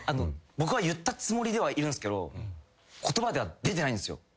僕は言ったつもりではいるんですけど言葉では出てないんですよ。